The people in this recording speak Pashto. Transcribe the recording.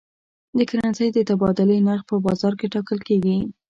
د کرنسۍ د تبادلې نرخ په بازار کې ټاکل کېږي.